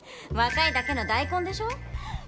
若いだけの大根でしょ。